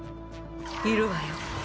いるわよ